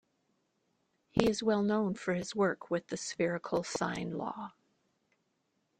He is well known for his work with the spherical sine law.